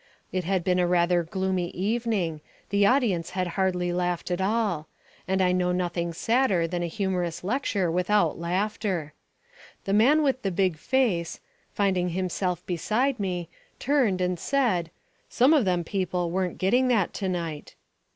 It had been a rather gloomy evening; the audience had hardly laughed at all; and I know nothing sadder than a humorous lecture without laughter. The man with the big face, finding himself beside me, turned and said, "Some of them people weren't getting that to night."